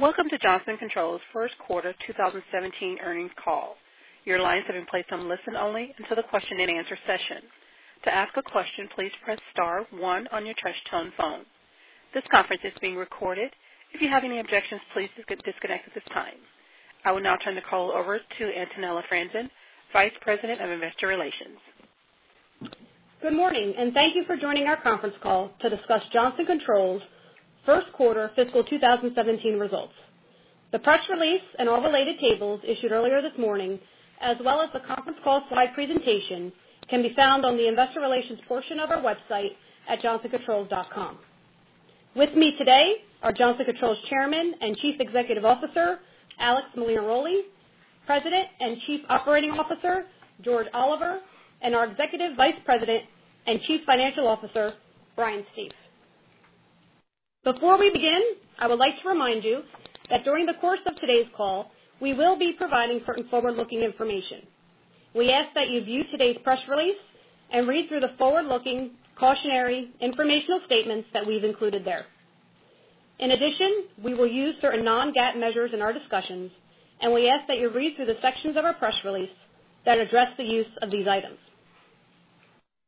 Welcome to Johnson Controls' first quarter 2017 earnings call. Your lines have been placed on listen-only until the question and answer session. To ask a question, please press star one on your touch-tone phone. This conference is being recorded. If you have any objections, please disconnect at this time. I will now turn the call over to Antonella Franzen, Vice President of Investor Relations. Good morning. Thank you for joining our conference call to discuss Johnson Controls' first quarter fiscal 2017 results. The press release and all related tables issued earlier this morning, as well as the conference call slide presentation, can be found on the investor relations portion of our website at johnsoncontrols.com. With me today are Johnson Controls Chairman and Chief Executive Officer Alex Molinaroli, President and Chief Operating Officer George Oliver, and our Executive Vice President and Chief Financial Officer Brian Stief. Before we begin, I would like to remind you that during the course of today's call, we will be providing certain forward-looking information. We ask that you view today's press release and read through the forward-looking cautionary informational statements that we've included there. We will use certain non-GAAP measures in our discussions. We ask that you read through the sections of our press release that address the use of these items.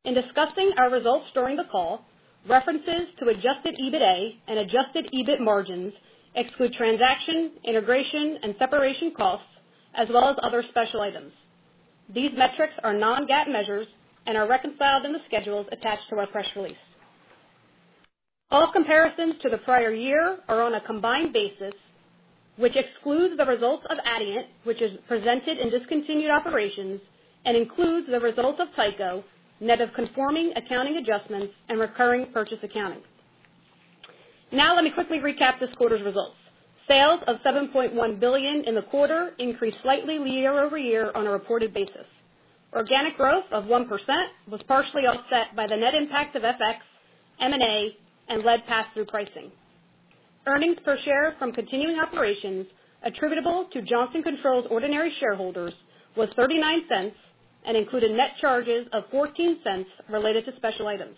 In discussing our results during the call, references to adjusted EBITA and adjusted EBIT margins exclude transaction, integration, and separation costs, as well as other special items. These metrics are non-GAAP measures and are reconciled in the schedules attached to our press release. All comparisons to the prior year are on a combined basis, which excludes the results of Adient, which is presented in discontinued operations, and includes the results of Tyco, net of conforming accounting adjustments and recurring purchase accounting. Let me quickly recap this quarter's results. Sales of $7.1 billion in the quarter increased slightly year-over-year on a reported basis. Organic growth of 1% was partially offset by the net impact of FX, M&A, and lead pass-through pricing. Earnings per share from continuing operations attributable to Johnson Controls' ordinary shareholders was $0.39 and included net charges of $0.14 related to special items.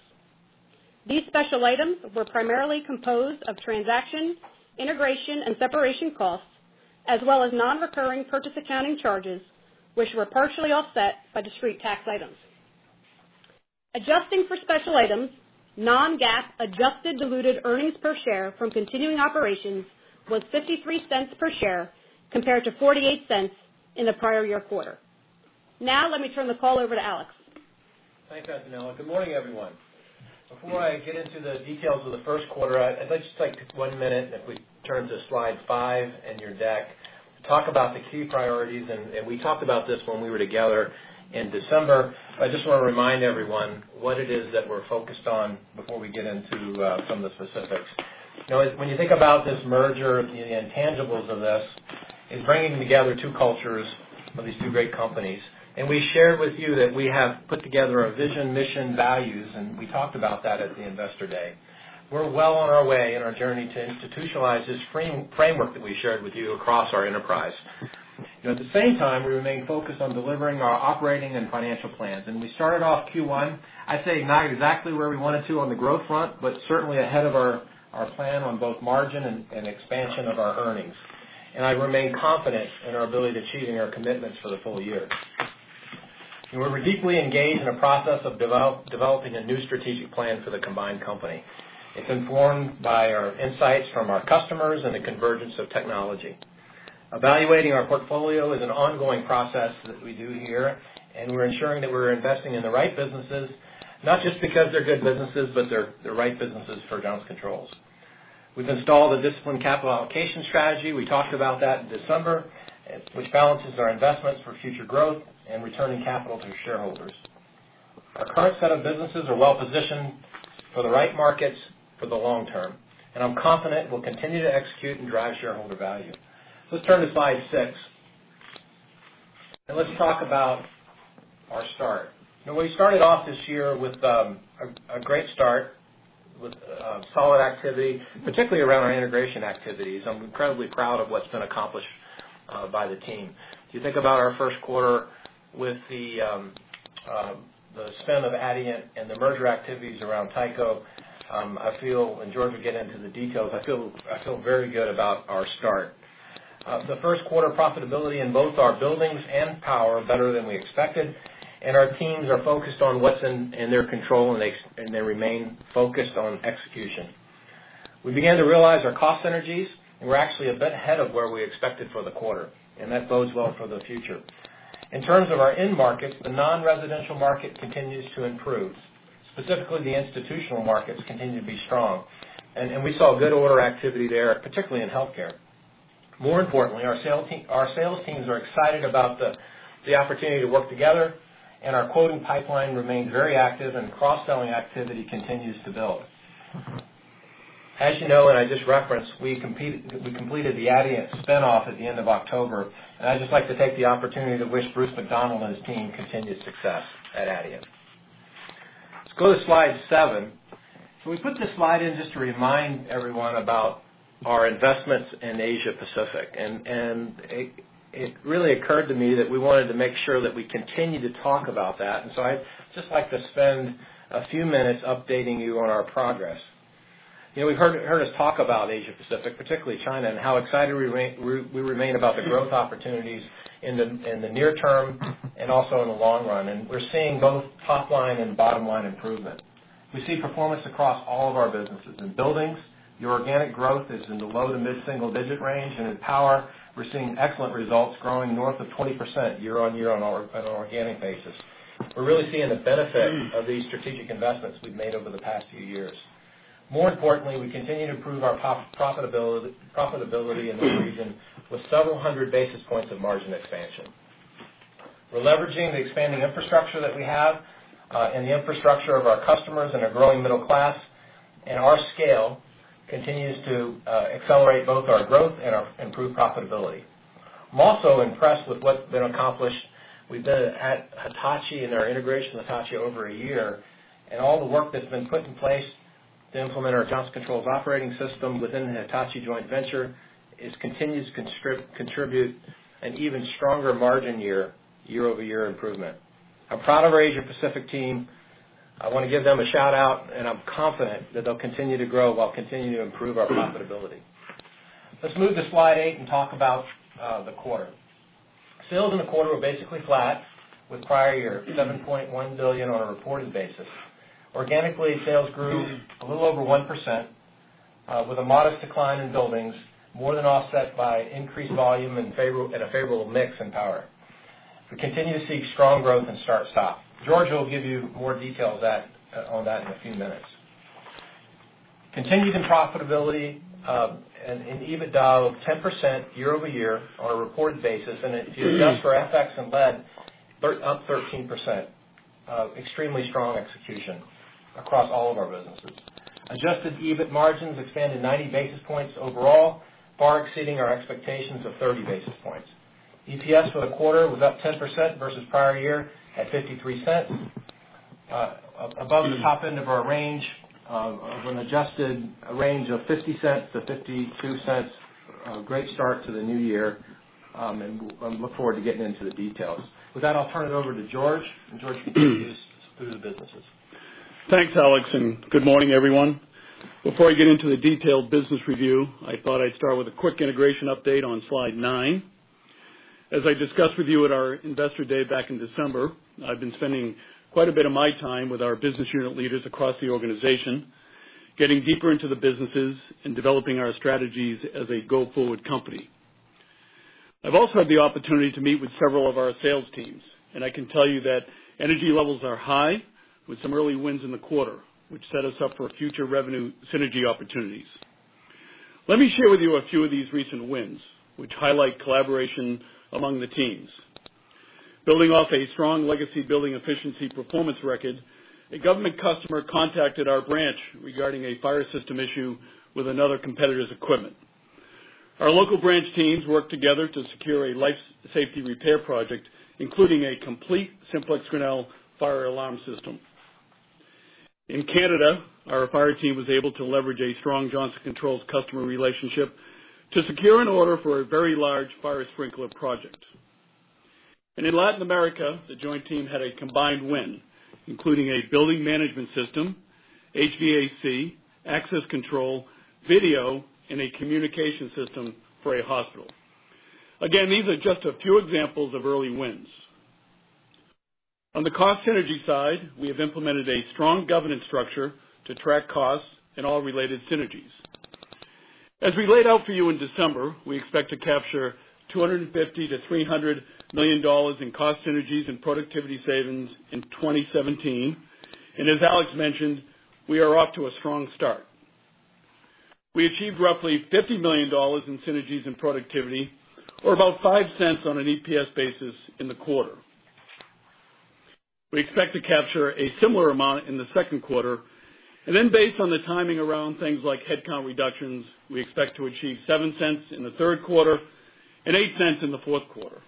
These special items were primarily composed of transaction, integration, and separation costs, as well as non-recurring purchase accounting charges, which were partially offset by discrete tax items. Adjusting for special items, non-GAAP adjusted diluted earnings per share from continuing operations was $0.53 per share compared to $0.48 in the prior year quarter. Let me turn the call over to Alex. Thanks, Antonella. Good morning, everyone. Before I get into the details of the first quarter, I'd like to take one minute, and if we turn to slide five in your deck, to talk about the key priorities. We talked about this when we were together in December. I just want to remind everyone what it is that we're focused on before we get into some of the specifics. When you think about this merger and the intangibles of this, it's bringing together two cultures of these two great companies. We shared with you that we have put together our vision, mission, values, and we talked about that at the investor day. We're well on our way in our journey to institutionalize this framework that we shared with you across our enterprise. At the same time, we remain focused on delivering our operating and financial plans. We started off Q1, I'd say not exactly where we wanted to on the growth front, but certainly ahead of our plan on both margin and expansion of our earnings. I remain confident in our ability to achieving our commitments for the full year. We were deeply engaged in a process of developing a new strategic plan for the combined company. It's informed by our insights from our customers and the convergence of technology. Evaluating our portfolio is an ongoing process that we do here, and we're ensuring that we're investing in the right businesses, not just because they're good businesses, but they're the right businesses for Johnson Controls. We've installed a disciplined capital allocation strategy. We talked about that in December, which balances our investments for future growth and returning capital to shareholders. Our current set of businesses are well positioned for the right markets for the long term, and I'm confident we'll continue to execute and drive shareholder value. Let's turn to slide six, and let's talk about our start. We started off this year with a great start with solid activity, particularly around our integration activities. I'm incredibly proud of what's been accomplished by the team. If you think about our first quarter with the spin of Adient and the merger activities around Tyco, and George will get into the details, I feel very good about our start. The first quarter profitability in both our buildings and Power better than we expected, and our teams are focused on what's in their control, and they remain focused on execution. We began to realize our cost synergies were actually a bit ahead of where we expected for the quarter, and that bodes well for the future. In terms of our end markets, the non-residential market continues to improve. Specifically, the institutional markets continue to be strong, and we saw good order activity there, particularly in healthcare. More importantly, our sales teams are excited about the opportunity to work together, and our quoting pipeline remains very active, and cross-selling activity continues to build. As you know, and I just referenced, we completed the Adient spin-off at the end of October, and I'd just like to take the opportunity to wish Bruce McDonald and his team continued success at Adient. Let's go to slide seven. We put this slide in just to remind everyone about our investments in Asia Pacific. It really occurred to me that we wanted to make sure that we continue to talk about that. I'd just like to spend a few minutes updating you on our progress. You've heard us talk about Asia Pacific, particularly China, and how excited we remain about the growth opportunities in the near term and also in the long run. We're seeing both top-line and bottom-line improvement. We see performance across all of our businesses. In Buildings, the organic growth is in the low to mid-single digit range. In Power, we're seeing excellent results growing north of 20% year-on-year on an organic basis. We're really seeing the benefit of these strategic investments we've made over the past few years. More importantly, we continue to improve our profitability in this region with several hundred basis points of margin expansion. We're leveraging the expanding infrastructure that we have and the infrastructure of our customers and a growing middle class. Our scale continues to accelerate both our growth and our improved profitability. I'm also impressed with what's been accomplished. We've been at Hitachi in our integration with Hitachi over a year, and all the work that's been put in place to implement our Johnson Controls operating system within the Hitachi joint venture continues to contribute an even stronger margin year-over-year improvement. I'm proud of our Asia Pacific team. I want to give them a shout-out. I'm confident that they'll continue to grow while continuing to improve our profitability. Let's move to slide eight and talk about the quarter. Sales in the quarter were basically flat with prior year, $7.1 billion on a reported basis. Organically, sales grew a little over 1% with a modest decline in Buildings, more than offset by increased volume and a favorable mix in Power. We continue to see strong growth in start-stop. George will give you more details on that in a few minutes. Continued profitability in EBITDA of 10% year-over-year on a reported basis. If you adjust for FX and lead, up 13%. Extremely strong execution across all of our businesses. Adjusted EBIT margins expanded 90 basis points overall, far exceeding our expectations of 30 basis points. EPS for the quarter was up 10% versus prior year at $0.53, above the top end of our range of an adjusted range of $0.50 to $0.52. A great start to the new year. I look forward to getting into the details. With that, I'll turn it over to George. George will take us through the businesses. Thanks, Alex, and good morning, everyone. Before I get into the detailed business review, I thought I would start with a quick integration update on slide 10. As I discussed with you at our investor day back in December, I have been spending quite a bit of my time with our business unit leaders across the organization, getting deeper into the businesses and developing our strategies as a go-forward company. I have also had the opportunity to meet with several of our sales teams. I can tell you that energy levels are high with some early wins in the quarter, which set us up for future revenue synergy opportunities. Let me share with you a few of these recent wins, which highlight collaboration among the teams. Building off a strong legacy building efficiency performance record, a government customer contacted our branch regarding a fire system issue with another competitor's equipment. Our local branch teams worked together to secure a life safety repair project, including a complete SimplexGrinnell fire alarm system. In Canada, our fire team was able to leverage a strong Johnson Controls customer relationship to secure an order for a very large fire sprinkler project. In Latin America, the joint team had a combined win, including a building management system, HVAC, access control, video, and a communication system for a hospital. Again, these are just a few examples of early wins. On the cost synergy side, we have implemented a strong governance structure to track costs and all related synergies. As we laid out for you in December, we expect to capture $250 million-$300 million in cost synergies and productivity savings in 2017. As Alex mentioned, we are off to a strong start. We achieved roughly $50 million in synergies in productivity or about $0.05 on an EPS basis in the quarter. We expect to capture a similar amount in the second quarter. Based on the timing around things like headcount reductions, we expect to achieve $0.07 in the third quarter and $0.08 in the fourth quarter.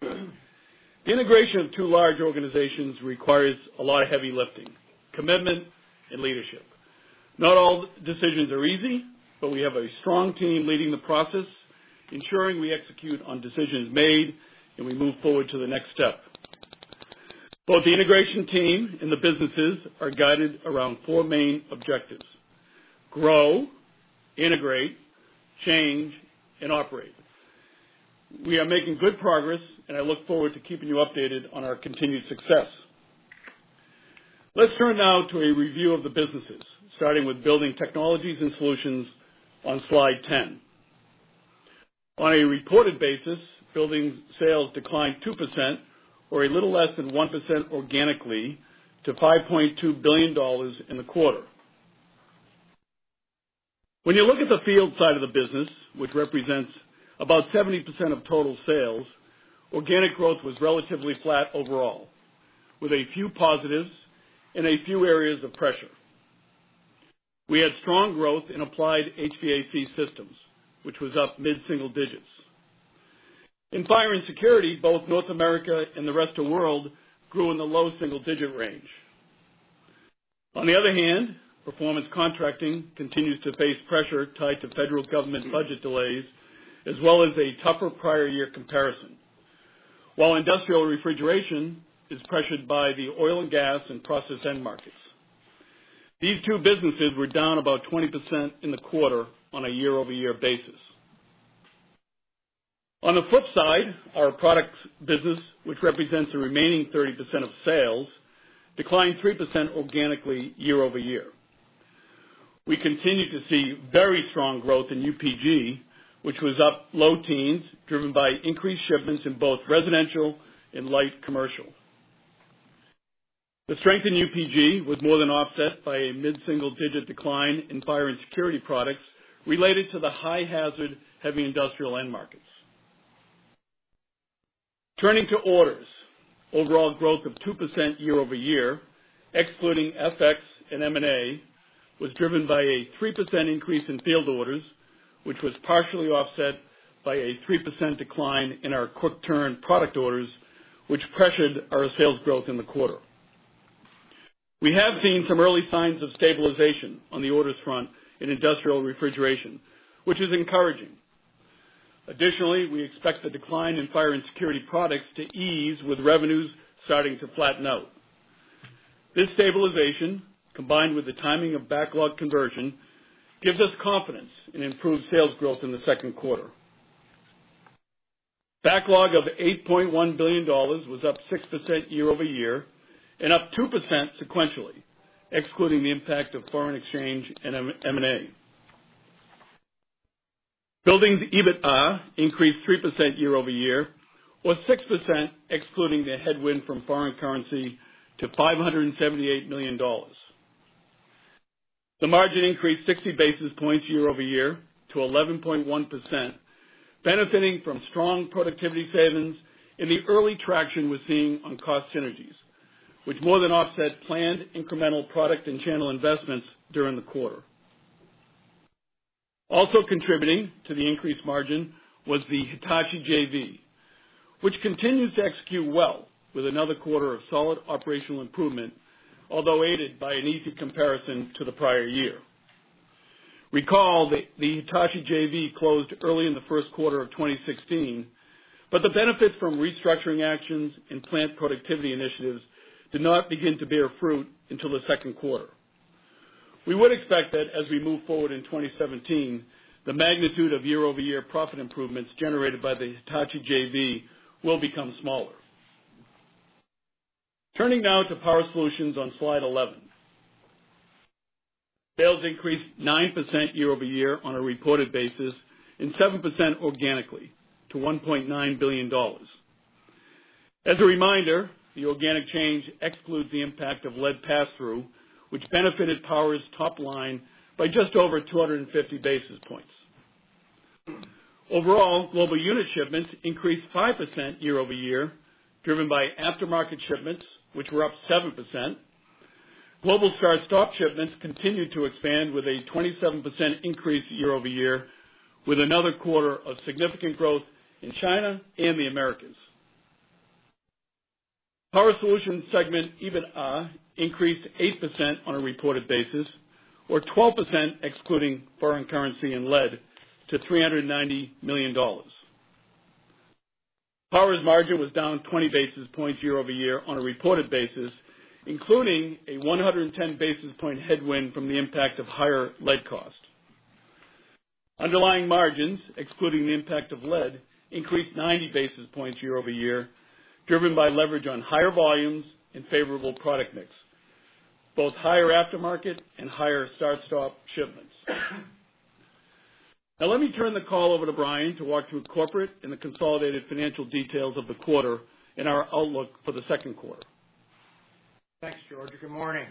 The integration of two large organizations requires a lot of heavy lifting, commitment, and leadership. Not all decisions are easy. We have a strong team leading the process, ensuring we execute on decisions made, and we move forward to the next step. Both the integration team and the businesses are guided around four main objectives: grow, integrate, change, and operate. We are making good progress. I look forward to keeping you updated on our continued success. Let us turn now to a review of the businesses, starting with Building Technologies & Solutions on slide 10. On a reported basis, building sales declined 2% or a little less than 1% organically to $5.2 billion in the quarter. When you look at the field side of the business, which represents about 70% of total sales, organic growth was relatively flat overall, with a few positives and a few areas of pressure. We had strong growth in applied HVAC systems, which was up mid-single digits. In fire and security, both North America and the rest of world grew in the low single-digit range. On the other hand, performance contracting continues to face pressure tied to federal government budget delays as well as a tougher prior year comparison. Industrial refrigeration is pressured by the oil and gas and process end markets. These two businesses were down about 20% in the quarter on a year-over-year basis. On the flip side, our products business, which represents the remaining 30% of sales, declined 3% organically year-over-year. We continue to see very strong growth in UPG, which was up low teens, driven by increased shipments in both residential and light commercial. The strength in UPG was more than offset by a mid-single digit decline in fire and security products related to the high hazard heavy industrial end markets. Overall growth of 2% year-over-year, excluding FX and M&A, was driven by a 3% increase in field orders, which was partially offset by a 3% decline in our quick turn product orders, which pressured our sales growth in the quarter. We have seen some early signs of stabilization on the orders front in industrial refrigeration, which is encouraging. We expect the decline in fire and security products to ease with revenues starting to flatten out. This stabilization, combined with the timing of backlog conversion, gives us confidence in improved sales growth in the second quarter. Backlog of $8.1 billion was up 6% year-over-year and up 2% sequentially, excluding the impact of foreign exchange and M&A. Buildings EBITA increased 3% year-over-year, or 6% excluding the headwind from foreign currency to $578 million. The margin increased 60 basis points year-over-year to 11.1%, benefiting from strong productivity savings and the early traction we're seeing on cost synergies, which more than offset planned incremental product and channel investments during the quarter. Also contributing to the increased margin was the Hitachi JV, which continues to execute well with another quarter of solid operational improvement, although aided by an easy comparison to the prior year. Recall that the Hitachi JV closed early in the first quarter of 2016, but the benefits from restructuring actions and plant productivity initiatives did not begin to bear fruit until the second quarter. We would expect that as we move forward in 2017, the magnitude of year-over-year profit improvements generated by the Hitachi JV will become smaller. Power Solutions on slide 11. Sales increased 9% year-over-year on a reported basis and 7% organically to $1.9 billion. As a reminder, the organic change excludes the impact of lead passthrough, which benefited Power's top line by just over 250 basis points. Overall, global unit shipments increased 5% year-over-year, driven by aftermarket shipments, which were up 7%. Global start-stop shipments continued to expand with a 27% increase year-over-year, with another quarter of significant growth in China and the Americas. Power Solutions segment EBITA increased 8% on a reported basis, or 12% excluding foreign currency and lead to $390 million. Power's margin was down 20 basis points year-over-year on a reported basis, including a 110 basis point headwind from the impact of higher lead cost. Underlying margins, excluding the impact of lead, increased 90 basis points year-over-year, driven by leverage on higher volumes and favorable product mix, both higher aftermarket and higher start-stop shipments. Let me turn the call over to Brian to walk through corporate and the consolidated financial details of the quarter and our outlook for the second quarter. Thanks, George. Good morning.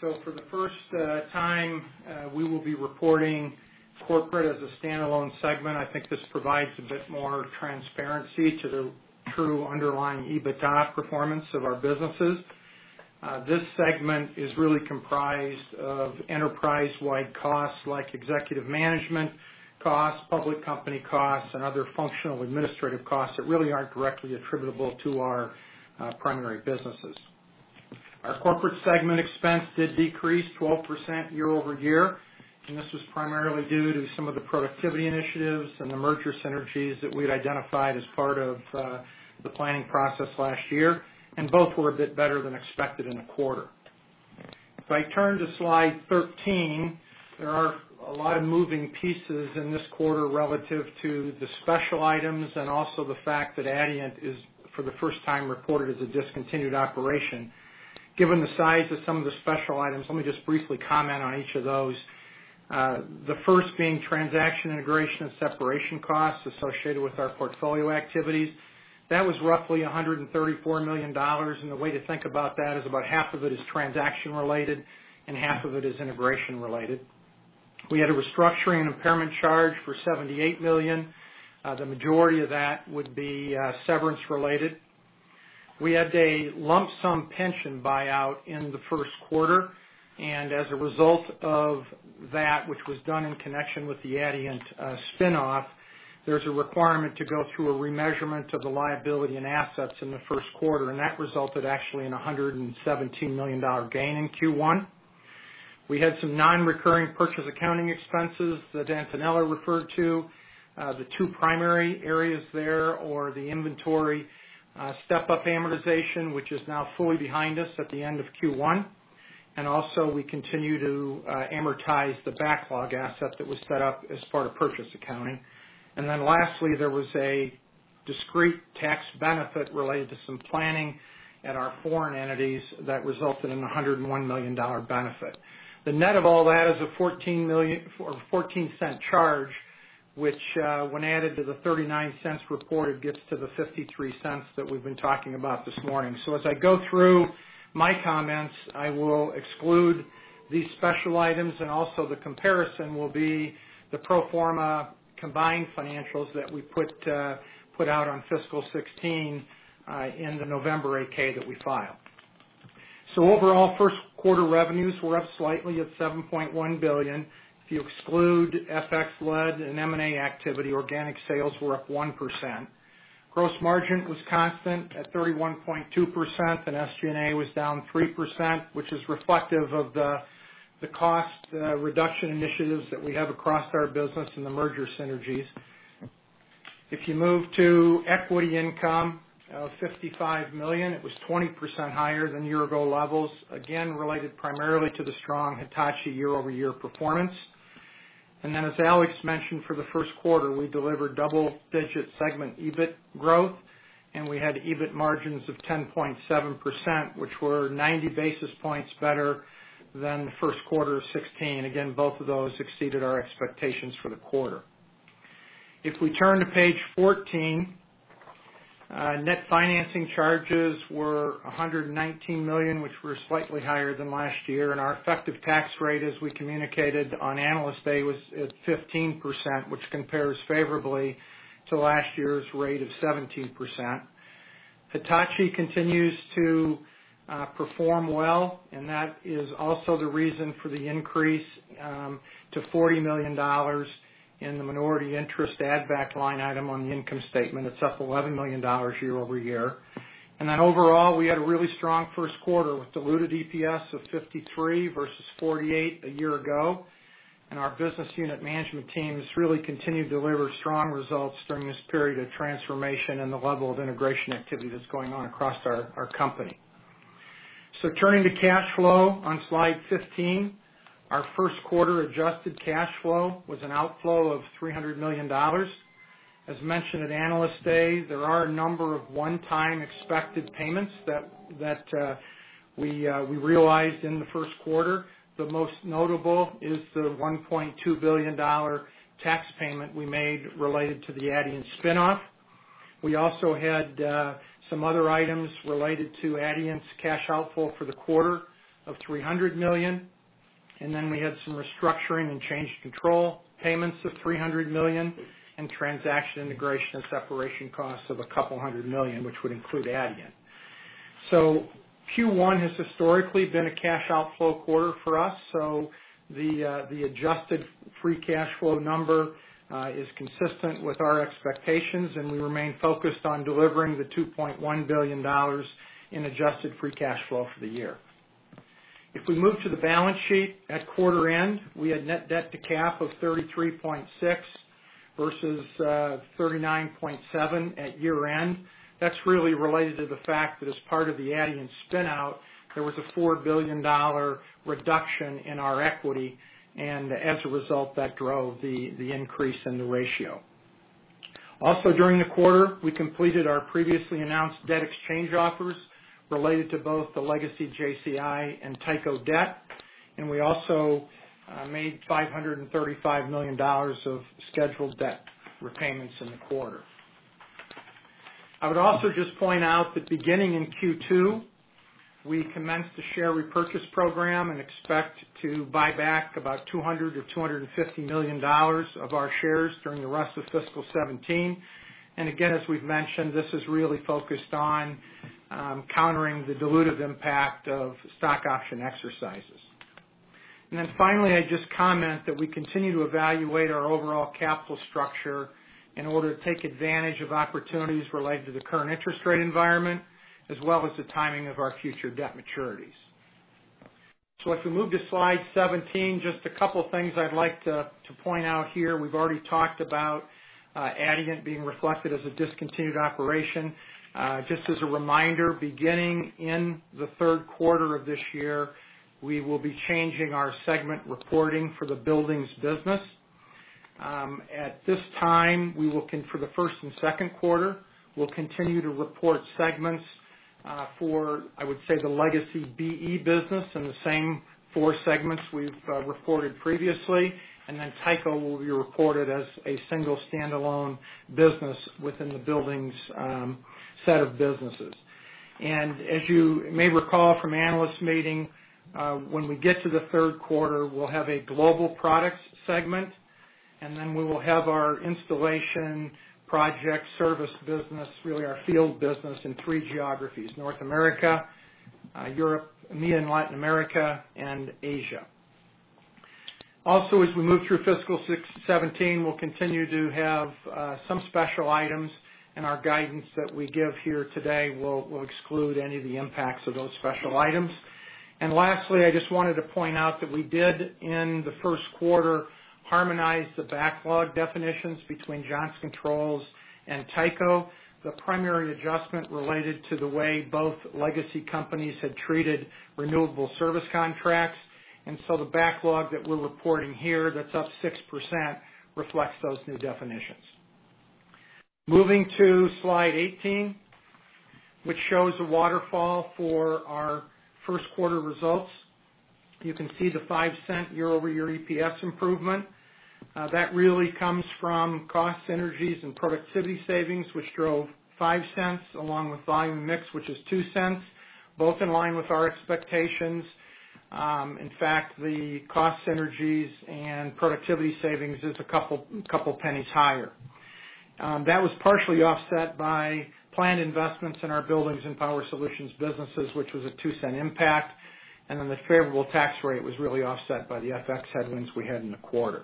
For the first time, we will be reporting corporate as a standalone segment. I think this provides a bit more transparency to the true underlying EBITDA performance of our businesses. This segment is really comprised of enterprise-wide costs like executive management costs, public company costs, and other functional administrative costs that really aren't directly attributable to our primary businesses. Our corporate segment expense did decrease 12% year-over-year, and this was primarily due to some of the productivity initiatives and the merger synergies that we'd identified as part of the planning process last year. Both were a bit better than expected in the quarter. If I turn to slide 13, there are a lot of moving pieces in this quarter relative to the special items and also the fact that Adient is for the first time reported as a discontinued operation. Given the size of some of the special items, let me just briefly comment on each of those. The first being transaction integration and separation costs associated with our portfolio activities. That was roughly $134 million. The way to think about that is about half of it is transaction related and half of it is integration related. We had a restructuring impairment charge for $78 million. The majority of that would be severance related. We had a lump sum pension buyout in the first quarter. As a result of that, which was done in connection with the Adient spin-off, there's a requirement to go through a remeasurement of the liability and assets in the first quarter, and that resulted actually in $117 million gain in Q1. We had some non-recurring purchase accounting expenses that Antonella referred to. The two primary areas there are the inventory step-up amortization, which is now fully behind us at the end of Q1, and also we continue to amortize the backlog asset that was set up as part of purchase accounting. Lastly, there was a discrete tax benefit related to some planning at our foreign entities that resulted in a $101 million benefit. The net of all that is a $0.14 charge, which, when added to the $0.39 reported, gets to the $0.53 that we've been talking about this morning. As I go through my comments, I will exclude these special items. The comparison will be the pro forma combined financials that we put out on fiscal 2016 in the November 8-K that we filed. Overall, first quarter revenues were up slightly at $7.1 billion. If you exclude FX and M&A activity, organic sales were up 1%. Gross margin was constant at 31.2%. SG&A was down 3%, which is reflective of the cost reduction initiatives that we have across our business and the merger synergies. If you move to equity income of $55 million, it was 20% higher than year-ago levels, again, related primarily to the strong Hitachi year-over-year performance. As Alex mentioned, for the first quarter, we delivered double-digit segment EBIT growth. We had EBIT margins of 10.7%, which were 90 basis points better than the first quarter of 2016. Again, both of those exceeded our expectations for the quarter. If we turn to page 14, net financing charges were $119 million, which were slightly higher than last year. Our effective tax rate, as we communicated on Analyst Day, was at 15%, which compares favorably to last year's rate of 17%. Hitachi continues to perform well, and that is also the reason for the increase to $40 million in the minority interest add-back line item on the income statement. It is up $11 million year-over-year. Overall, we had a really strong first quarter with diluted EPS of $0.53 versus $0.48 a year ago. Our business unit management team has really continued to deliver strong results during this period of transformation and the level of integration activity that is going on across our company. Turning to cash flow on slide 15. Our first quarter adjusted cash flow was an outflow of $300 million. As mentioned at Analyst Day, there are a number of one-time expected payments that we realized in the first quarter. The most notable is the $1.2 billion tax payment we made related to the Adient spin-off. We also had some other items related to Adient's cash outflow for the quarter of $300 million. Then we had some restructuring and change control payments of $300 million and transaction integration and separation costs of a couple hundred million, which would include Adient. Q1 has historically been a cash outflow quarter for us, so the adjusted free cash flow number is consistent with our expectations, and we remain focused on delivering the $2.1 billion in adjusted free cash flow for the year. If we move to the balance sheet, at quarter end, we had net debt to cap of 33.6% versus 39.7% at year-end. That is really related to the fact that as part of the Adient spin-out, there was a $4 billion reduction in our equity, and as a result, that drove the increase in the ratio. Also during the quarter, we completed our previously announced debt exchange offers related to both the legacy JCI and Tyco debt, and we also made $535 million of scheduled debt repayments in the quarter. I would also just point out that beginning in Q2, we commenced a share repurchase program and expect to buy back about $200 million-$250 million of our shares during the rest of fiscal 2017. Again, as we have mentioned, this is really focused on countering the dilutive impact of stock option exercises. Finally, I would just comment that we continue to evaluate our overall capital structure in order to take advantage of opportunities related to the current interest rate environment, as well as the timing of our future debt maturities. If we move to slide 17, just a couple of things I would like to point out here. We have already talked about Adient being reflected as a discontinued operation. Just as a reminder, beginning in the third quarter of this year, we will be changing our segment reporting for the buildings business. At this time, for the first and second quarter, we will continue to report segments for, I would say, the legacy BE business in the same four segments we have reported previously, and then Tyco will be reported as a single standalone business within the buildings set of businesses. As you may recall from analyst meeting, when we get to the third quarter, we will have a global products segment, and then we will have our installation, project service business, really our field business, in three geographies: North America, EMEA and Latin America, and Asia. As we move through fiscal 2017, we will continue to have some special items, and our guidance that we give here today will exclude any of the impacts of those special items. Lastly, I just wanted to point out that we did, in the first quarter, harmonize the backlog definitions between Johnson Controls and Tyco. The primary adjustment related to the way both legacy companies had treated renewable service contracts. So the backlog that we are reporting here, that is up 6%, reflects those new definitions. Moving to slide 18, which shows the waterfall for our first quarter results. You can see the $0.05 year-over-year EPS improvement. That really comes from cost synergies and productivity savings, which drove $0.05 along with volume mix, which is $0.02, both in line with our expectations. In fact, the cost synergies and productivity savings is a couple pennies higher. That was partially offset by planned investments in our buildings and Power Solutions businesses, which was a $0.02 impact, and then the favorable tax rate was really offset by the FX headwinds we had in the quarter.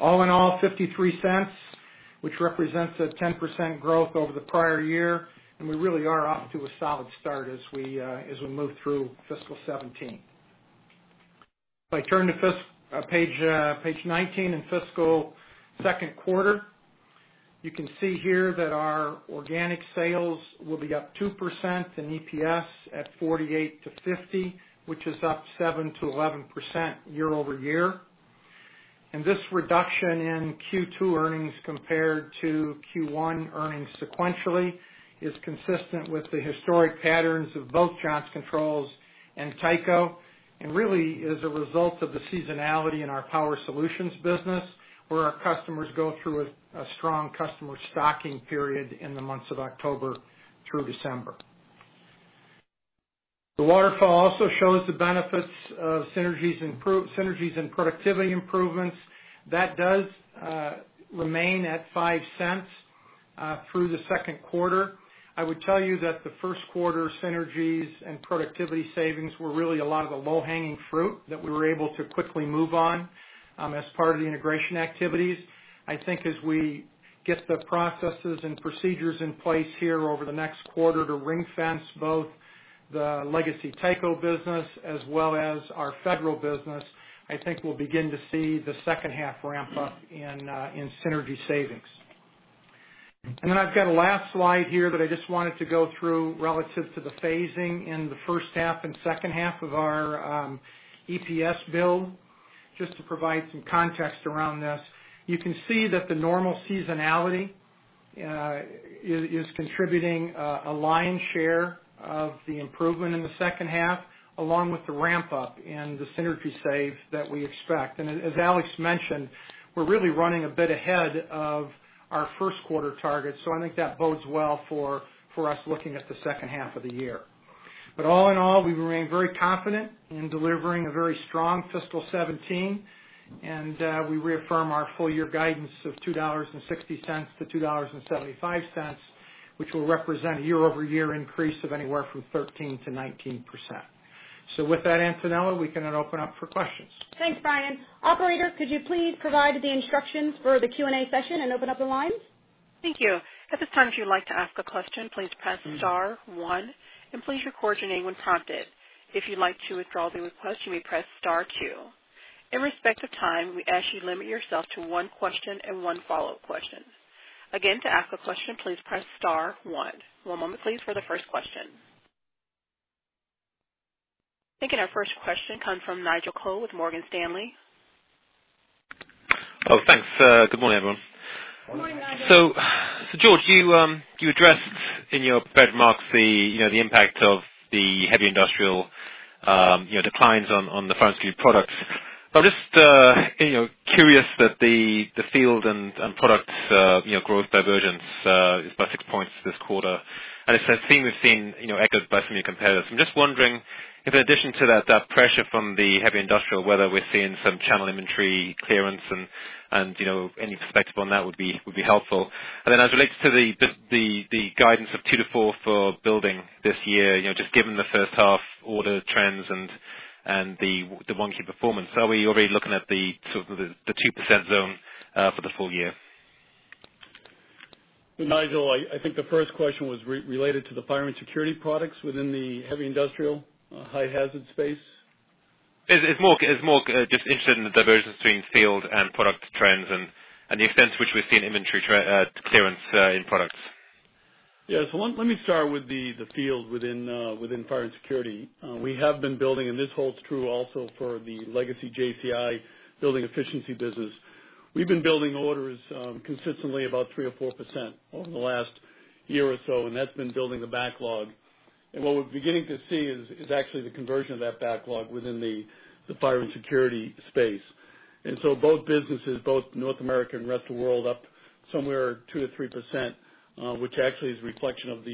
All in all, $0.53, which represents a 10% growth over the prior year, and we really are off to a solid start as we move through fiscal 2017. If I turn to page 19 in fiscal second quarter, you can see here that our organic sales will be up 2% in EPS at $0.48-$0.50, which is up 7%-11% year-over-year. This reduction in Q2 earnings compared to Q1 earnings sequentially is consistent with the historic patterns of both Johnson Controls and Tyco, and really is a result of the seasonality in our Power Solutions business, where our customers go through a strong customer stocking period in the months of October through December. The waterfall shows the benefits of synergies and productivity improvements. That does remain at $0.05 through the second quarter. I would tell you that the first quarter synergies and productivity savings were really a lot of the low-hanging fruit that we were able to quickly move on as part of the integration activities. As we get the processes and procedures in place here over the next quarter to ring-fence both the legacy Tyco business as well as our federal business, I think we will begin to see the second half ramp up in synergy savings. I have got a last slide here that I just wanted to go through relative to the phasing in the first half and second half of our EPS build, just to provide some context around this. You can see that the normal seasonality is contributing a lion's share of the improvement in the second half, along with the ramp-up in the synergy saves that we expect. As Alex mentioned, we are really running a bit ahead of our first quarter target, so I think that bodes well for us looking at the second half of the year. All in all, we remain very confident in delivering a very strong fiscal 2017, and we reaffirm our full year guidance of $2.60-$2.75, which will represent a year-over-year increase of anywhere from 13%-19%. With that, Antonella, we can then open up for questions. Thanks, Brian. Operator, could you please provide the instructions for the Q&A session and open up the lines? Thank you. At this time, if you'd like to ask a question, please press star one, and please record your name when prompted. If you'd like to withdraw the request, you may press star two. In respect of time, we ask you to limit yourself to one question and one follow-up question. Again, to ask a question, please press star one. One moment please for the first question. Thinking our first question comes from Nigel Coe with Morgan Stanley. Thanks. Good morning, everyone. Morning. Morning, Nigel. George, you addressed in your prepared remarks the impact of the heavy industrial declines on the fire and security products. I'm just curious that the field and products growth divergence is by six points this quarter. It's a theme we've seen echoed by some of your competitors. I'm just wondering if in addition to that pressure from the heavy industrial, whether we're seeing some channel inventory clearance and any perspective on that would be helpful. Then as it relates to the guidance of 2%-4% for Building this year, just given the first half order trends and the 1Q performance. Are we already looking at the 2% zone for the full year? Nigel, I think the first question was related to the fire and security products within the heavy industrial high hazard space. It's more just interested in the divergence between field and product trends and the extent to which we're seeing inventory clearance in products. Let me start with the field within fire and security. We have been building, and this holds true also for the legacy JCI building efficiency business. We've been building orders consistently about 3% or 4% over the last year or so, and that's been building the backlog. What we're beginning to see is actually the conversion of that backlog within the fire and security space. Both businesses, both North America and rest of world, up somewhere 2% to 3%, which actually is a reflection of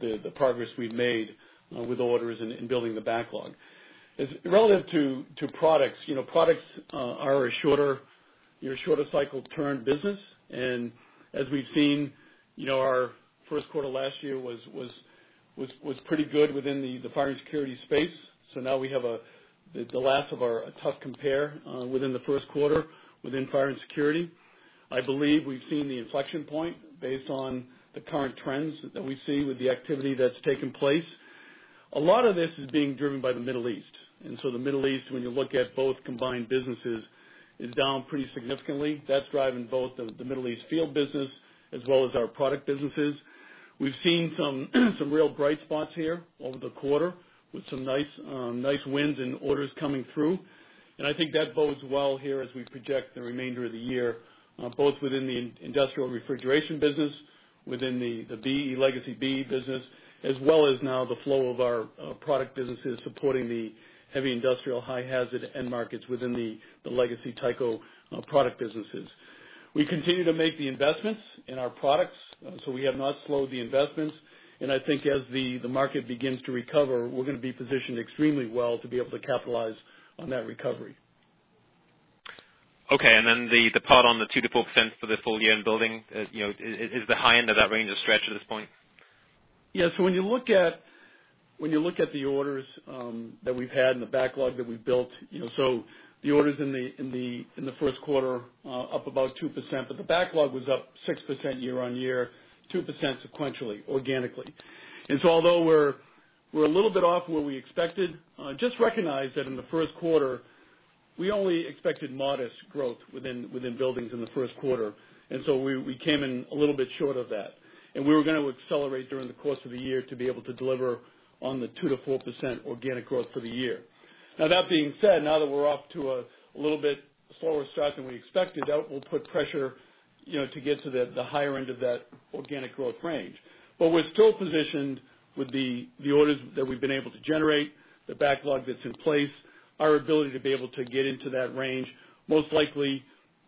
the progress we've made with orders and building the backlog. Relative to products are a shorter Your shorter cycle turn business. As we've seen, our first quarter last year was pretty good within the fire and security space. Now we have the last of our tough compare within the first quarter, within fire and security. I believe we've seen the inflection point based on the current trends that we see with the activity that's taken place. A lot of this is being driven by the Middle East. The Middle East, when you look at both combined businesses, is down pretty significantly. That's driving both the Middle East field business as well as our product businesses. We've seen some real bright spots here over the quarter with some nice wins and orders coming through. I think that bodes well here as we project the remainder of the year, both within the industrial refrigeration business, within the legacy BE business, as well as now the flow of our product businesses supporting the heavy industrial high hazard end markets within the legacy Tyco product businesses. We continue to make the investments in our products, so we have not slowed the investments. I think as the market begins to recover, we're going to be positioned extremely well to be able to capitalize on that recovery. Okay. The part on the 2% to 4% for the full year in Building, is the high end of that range a stretch at this point? When you look at the orders that we've had and the backlog that we've built, the orders in the first quarter are up about 2%, but the backlog was up 6% year-over-year, 2% sequentially, organically. Although we're a little bit off where we expected, just recognize that in the first quarter, we only expected modest growth within Buildings in the first quarter. We came in a little bit short of that. We were going to accelerate during the course of the year to be able to deliver on the 2%-4% organic growth for the year. That being said, now that we're off to a little bit slower start than we expected, that will put pressure to get to the higher end of that organic growth range. We're still positioned with the orders that we've been able to generate, the backlog that's in place, our ability to be able to get into that range, most likely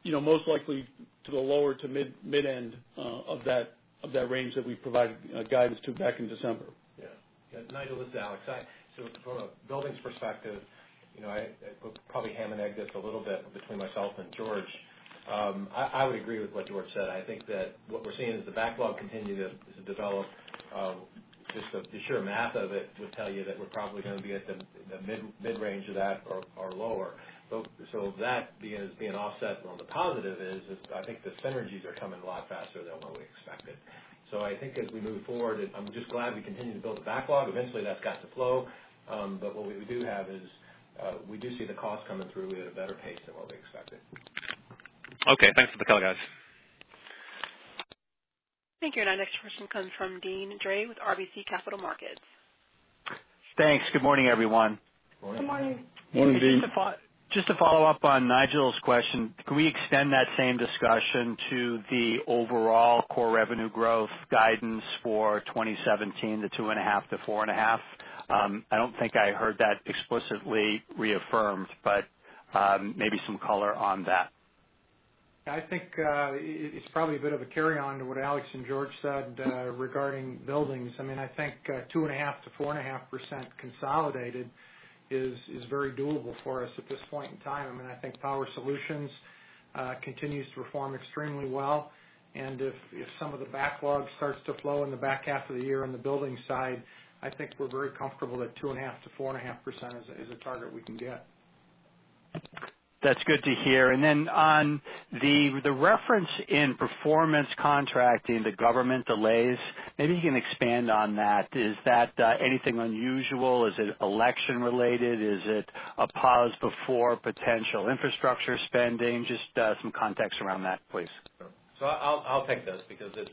to the lower-to-mid end of that range that we provided guidance to back in December. Nigel, this is Alex. From a Buildings perspective, I will probably ham and egg this a little bit between myself and George. I would agree with what George said. I think that what we're seeing is the backlog continue to develop. Just the sheer math of it would tell you that we're probably going to be at the mid-range of that or lower. That is being offset. On the positive is, I think the synergies are coming a lot faster than what we expected. I think as we move forward, I'm just glad we continue to build the backlog. Eventually, that's got to flow. What we do have is, we do see the cost coming through at a better pace than what we expected. Thanks for the color, guys. Thank you. Our next question comes from Deane Dray with RBC Capital Markets. Thanks. Good morning, everyone. Morning. Good morning. Morning, Deane. Just to follow up on Nigel's question, can we extend that same discussion to the overall core revenue growth guidance for 2017 to 2.5%-4.5%? I don't think I heard that explicitly reaffirmed. Maybe some color on that. I think it's probably a bit of a carry-on to what Alex and George said regarding Buildings. I think 2.5%-4.5% consolidated is very doable for us at this point in time. I think Power Solutions continues to perform extremely well. If some of the backlog starts to flow in the back half of the year on the Building side, I think we're very comfortable that 2.5%-4.5% is a target we can get. That's good to hear. On the reference in performance contracting, the government delays, maybe you can expand on that. Is that anything unusual? Is it election related? Is it a pause before potential infrastructure spending? Just some context around that, please. I'll take this because it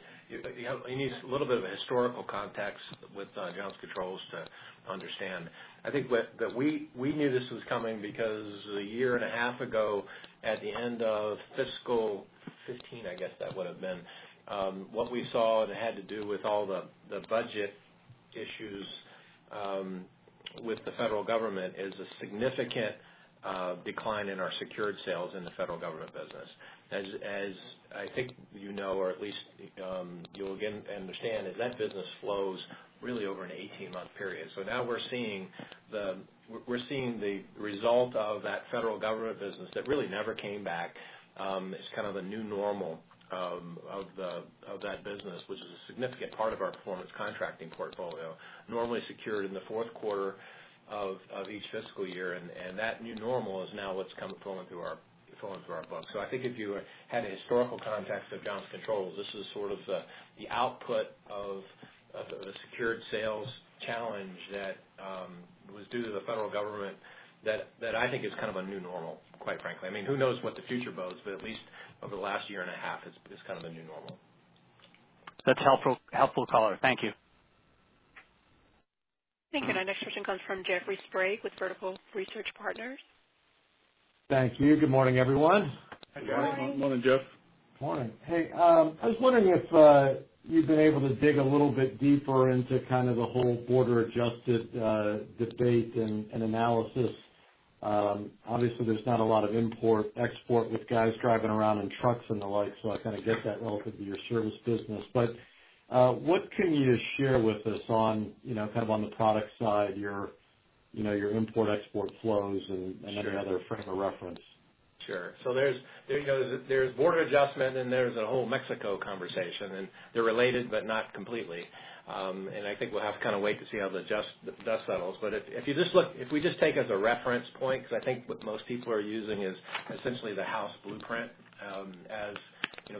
needs a little bit of a historical context with Johnson Controls to understand. I think that we knew this was coming because a year and a half ago, at the end of fiscal 2015, I guess that would've been, what we saw that had to do with all the budget issues with the federal government is a significant decline in our secured sales in the federal government business. As I think you know, or at least you'll understand, is that business flows really over an 18-month period. Now we're seeing the result of that federal government business that really never came back. It's kind of the new normal of that business, which is a significant part of our performance contracting portfolio, normally secured in the fourth quarter of each fiscal year. That new normal is now what's come flowing through our books. I think if you had a historical context of Johnson Controls, this is sort of the output of the secured sales challenge that was due to the federal government that I think is kind of a new normal, quite frankly. Who knows what the future bodes? At least over the last year and a half, it's kind of a new normal. That's helpful color. Thank you. Thank you. Our next question comes from Jeffrey Sprague with Vertical Research Partners. Thank you. Good morning, everyone. Hi. Morning, Jeff. Morning. Hey, I was wondering if you've been able to dig a little bit deeper into kind of the whole border-adjusted debate and analysis. Obviously, there's not a lot of import/export with guys driving around in trucks and the like, so I kind of get that relative to your service business. What can you share with us on the product side, your import-export flows and- Sure another frame of reference. Sure. There's border adjustment, then there's a whole Mexico conversation, they're related, but not completely. I think we'll have to wait to see how the dust settles. If we just take as a reference point, because I think what most people are using is essentially the House blueprint as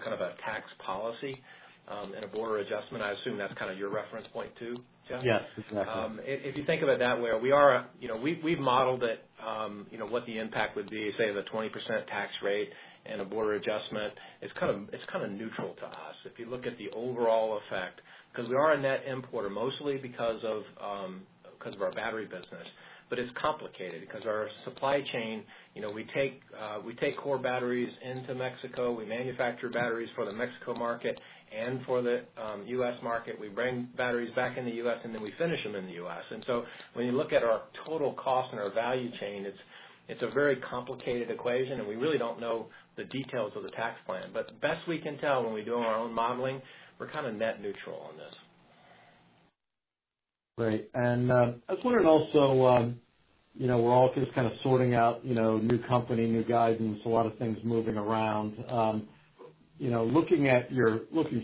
kind of a tax policy in a border adjustment. I assume that's kind of your reference point too, Jeff? Yes, exactly. If you think about it that way, we've modeled it, what the impact would be, say, the 20% tax rate and a border adjustment. It's kind of neutral to us. If you look at the overall effect, because we are a net importer, mostly because of our battery business, but it's complicated because our supply chain, we take core batteries into Mexico. We manufacture batteries for the Mexico market and for the U.S. market. We bring batteries back into U.S., and then we finish them in the U.S. When you look at our total cost and our value chain, it's a very complicated equation, and we really don't know the details of the tax plan. The best we can tell when we do our own modeling, we're kind of net neutral on this. Great. I was wondering also, we're all just kind of sorting out new company, new guidance, a lot of things moving around. Looking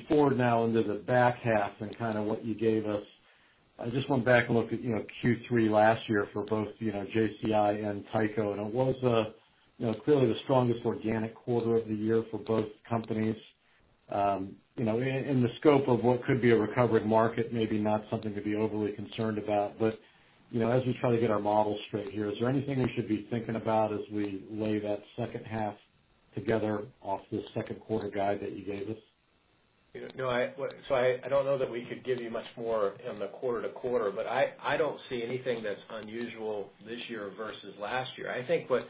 forward now into the back half and what you gave us. I just went back and looked at Q3 last year for both JCI and Tyco, and it was clearly the strongest organic quarter of the year for both companies. In the scope of what could be a recovered market, maybe not something to be overly concerned about, but as we try to get our models straight here, is there anything we should be thinking about as we lay that second half together off the second quarter guide that you gave us? I don't know that we could give you much more in the quarter to quarter, but I don't see anything that's unusual this year versus last year. I think what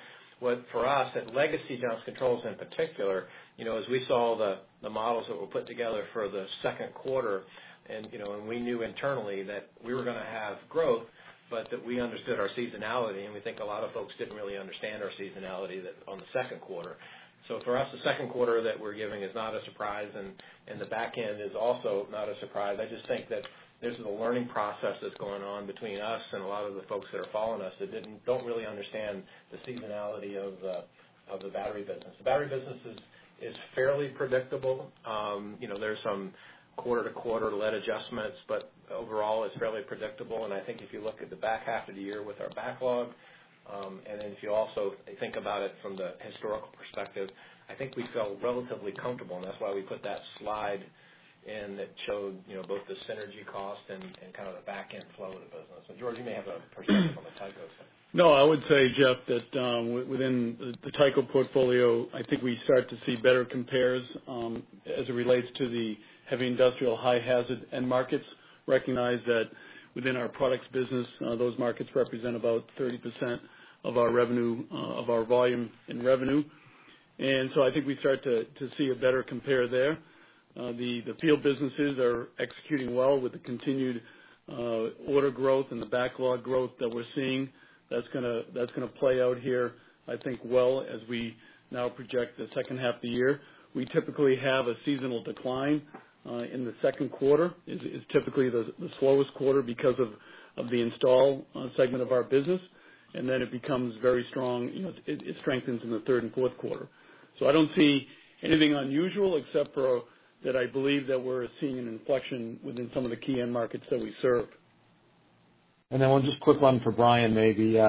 for us, at Legacy Johnson Controls in particular, as we saw the models that were put together for the second quarter, and we knew internally that we were going to have growth, but that we understood our seasonality, and we think a lot of folks didn't really understand our seasonality on the second quarter. For us, the second quarter that we're giving is not a surprise, and the back end is also not a surprise. I just think that there's a learning process that's going on between us and a lot of the folks that are following us that don't really understand the seasonality of the battery business. The battery business is fairly predictable. There's some quarter-to-quarter lead adjustments, overall, it's fairly predictable, I think if you look at the back half of the year with our backlog, then if you also think about it from the historical perspective, I think we felt relatively comfortable, that's why we put that slide in that showed both the synergy cost and kind of the back end flow of the business. George, you may have a perspective on the Tyco side. No, I would say, Jeff, that within the Tyco portfolio, I think we start to see better compares as it relates to the heavy industrial, high hazard end markets. Recognize that within our products business, those markets represent about 30% of our volume and revenue. I think we start to see a better compare there. The field businesses are executing well with the continued order growth and the backlog growth that we're seeing. That's going to play out here, I think, well, as we now project the second half of the year. We typically have a seasonal decline in the second quarter, is typically the slowest quarter because of the install segment of our business, then it becomes very strong. It strengthens in the third and fourth quarter. I don't see anything unusual except for that I believe that we're seeing an inflection within some of the key end markets that we serve. One just quick one for Brian, maybe.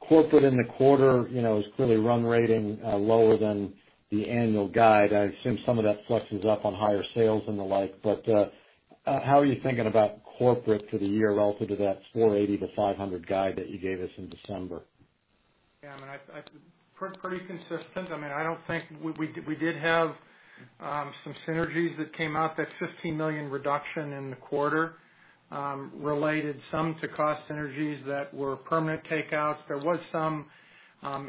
Corporate in the quarter is clearly run rating lower than the annual guide. I assume some of that flexes up on higher sales and the like, how are you thinking about corporate for the year relative to that $480-$500 guide that you gave us in December? Yeah, pretty consistent. We did have some synergies that came out. That $15 million reduction in the quarter related some to cost synergies that were permanent takeouts. There was some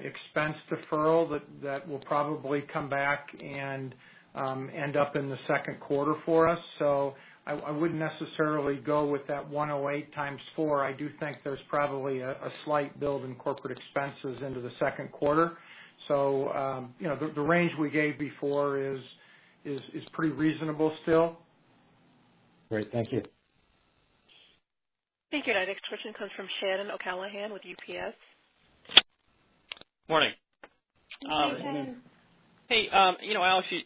expense deferral that will probably come back and end up in the second quarter for us. I wouldn't necessarily go with that 108 times four. I do think there's probably a slight build in corporate expenses into the second quarter. The range we gave before is pretty reasonable still. Great. Thank you. Thank you. Our next question comes from Shannon O'Callaghan with UBS. Morning. Hi, Shannon. Hey, Alex,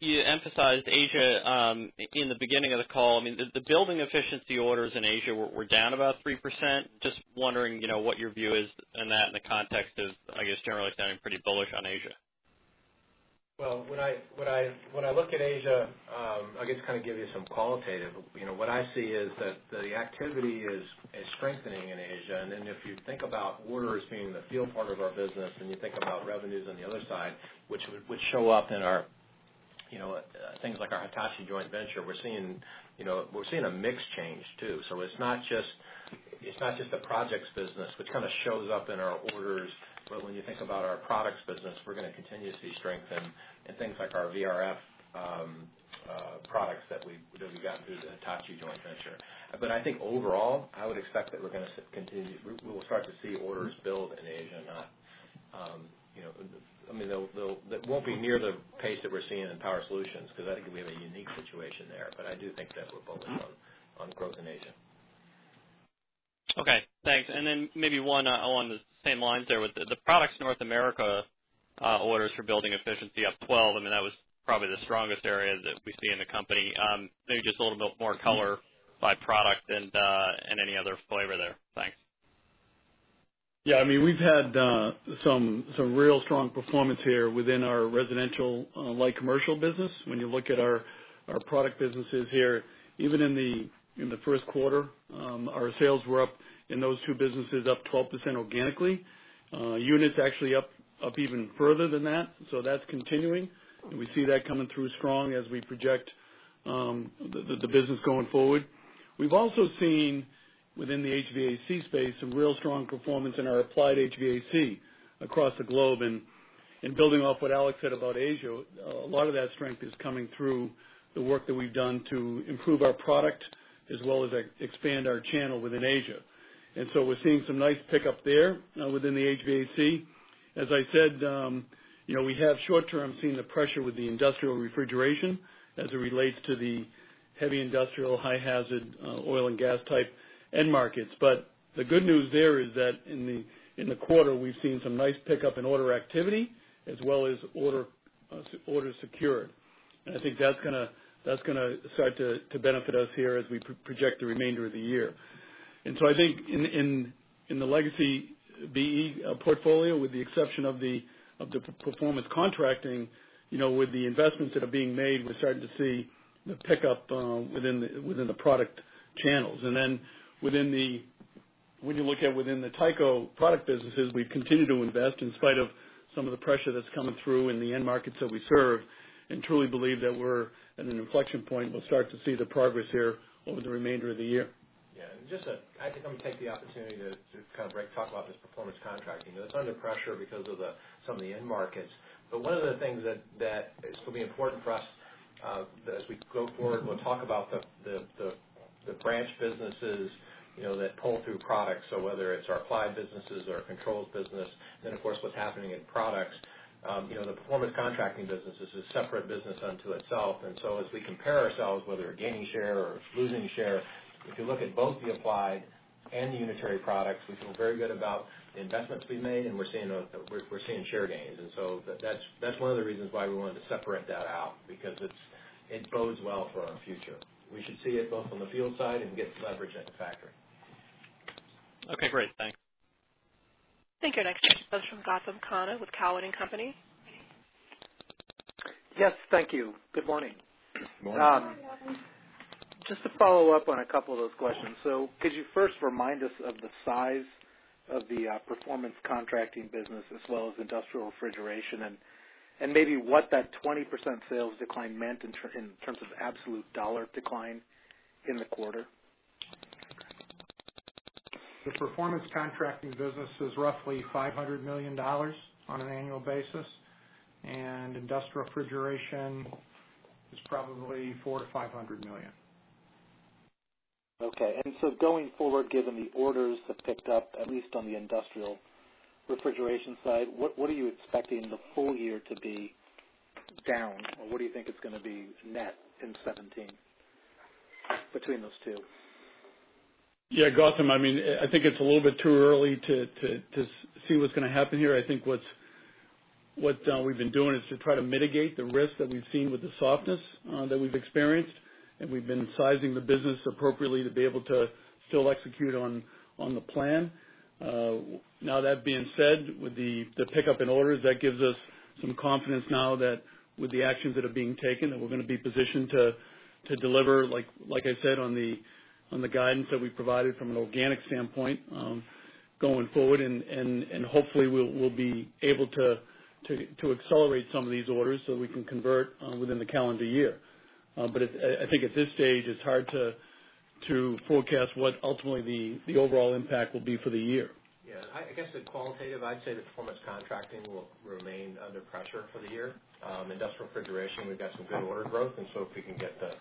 you emphasized Asia in the beginning of the call. The building efficiency orders in Asia were down about 3%. Just wondering what your view is in that in the context of, I guess, generally sounding pretty bullish on Asia. Well, when I look at Asia, I guess kind of give you some qualitative. What I see is that the activity is strengthening in Asia. If you think about orders being the field part of our business and you think about revenues on the other side, which show up in things like our Hitachi joint venture, we're seeing a mix change too. It's not just the projects business which kind of shows up in our orders. When you think about our products business, we're going to continue to see strength in things like our VRF products that we've gotten through the Hitachi joint venture. I think overall, I would expect that we'll start to see orders build in Asia now. That won't be near the pace that we're seeing in Power Solutions, because I think we have a unique situation there. I do think that we're focused on growth in Asia. Okay. Thanks. Maybe one along the same lines there with the Products North America orders for building efficiency up 12. That was probably the strongest area that we see in the company. Maybe just a little bit more color by product and any other flavor there. Thanks. We've had some real strong performance here within our residential light commercial business. When you look at our product businesses here, even in the first quarter, our sales were up in those two businesses, up 12% organically. Units actually up even further than that. That's continuing, and we see that coming through strong as we project the business going forward. We've also seen, within the HVAC space, some real strong performance in our applied HVAC across the globe. Building off what Alex said about Asia, a lot of that strength is coming through the work that we've done to improve our product as well as expand our channel within Asia. We're seeing some nice pickup there within the HVAC. As I said, we have short-term seen the pressure with the industrial refrigeration as it relates to the heavy industrial, high hazard oil and gas type end markets. The good news there is that in the quarter, we've seen some nice pickup in order activity as well as orders secured. I think that's going to start to benefit us here as we project the remainder of the year. I think in the legacy BE portfolio, with the exception of the performance contracting, with the investments that are being made, we're starting to see the pickup within the product channels. When you look at within the Tyco product businesses, we've continued to invest in spite of some of the pressure that's coming through in the end markets that we serve, and truly believe that we're at an inflection point. We'll start to see the progress here over the remainder of the year. I think I'm going to take the opportunity to talk about this performance contracting. It's under pressure because of some of the end markets. One of the things that is going to be important for us as we go forward, we'll talk about the branch businesses that pull through products. Whether it's our applied businesses, our controls business, of course what's happening in products. The performance contracting business is a separate business unto itself. As we compare ourselves, whether gaining share or losing share, if you look at both the applied and the unitary products, we feel very good about the investments we've made, and we're seeing share gains. That's one of the reasons why we wanted to separate that out, because it bodes well for our future. We should see it both on the field side and get leverage at the factory. Okay, great. Thanks. Thank you. Next question comes from Gautam Khanna with Cowen and Company. Yes, thank you. Good morning. Morning. Morning. Just to follow up on a couple of those questions. Could you first remind us of the size of the performance contracting business as well as industrial refrigeration, and maybe what that 20% sales decline meant in terms of absolute dollar decline in the quarter? The performance contracting business is roughly $500 million on an annual basis, and industrial refrigeration is probably $400 million-$500 million. Okay. Going forward, given the orders have picked up, at least on the industrial refrigeration side, what are you expecting the full year to be down? Or what do you think it's going to be net in 2017 between those two? Gautam, I think it's a little bit too early to see what's going to happen here. I think what we've been doing is to try to mitigate the risk that we've seen with the softness that we've experienced, and we've been sizing the business appropriately to be able to still execute on the plan. Now, that being said, with the pickup in orders, that gives us some confidence now that with the actions that are being taken, that we're going to be positioned to deliver, like I said, on the guidance that we provided from an organic standpoint going forward. Hopefully we'll be able to accelerate some of these orders so we can convert within the calendar year. I think at this stage, it's hard to forecast what ultimately the overall impact will be for the year. Yeah. I guess the qualitative, I'd say the performance contracting will remain under pressure for the year. Industrial refrigeration, we've got some good order growth. If we can get the